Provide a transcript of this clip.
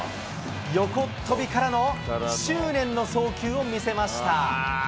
横っ飛びからの執念の送球を見せました。